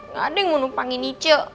nggak ada yang mau numpangin ic